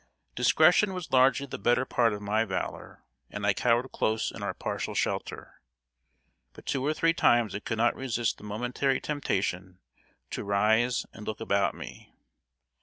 Discretion was largely the better part of my valor, and I cowered close in our partial shelter. But two or three times I could not resist the momentary temptation to rise and look about me.